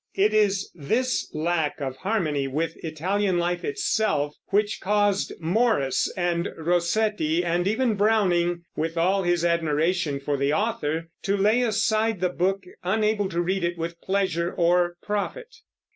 It is this lack of harmony with Italian life itself which caused Morris and Rossetti and even Browning, with all his admiration for the author, to lay aside the book, unable to read it with pleasure or profit.